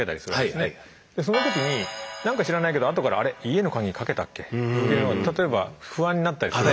その時になんか知らないけどあとから「あれ？家の鍵かけたっけ」って例えば不安になったりする。